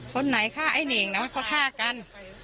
คนไหนฆ่าไอ้เน่งนะเขาฆ่ากัน